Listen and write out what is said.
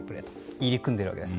入り組んでいるわけです。